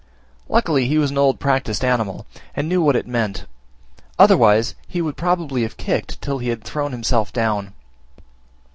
Luckily he was an old practised animal, and knew what it meant; otherwise he would probably have kicked till he had thrown himself down.